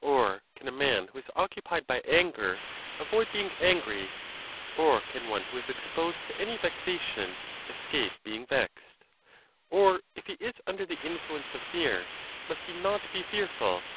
or can a man who is occupied by anger avoid being angry? or can one who is exposed to any vexation escape being vexed ? or if he is under the influence of fear, must he not be fearful?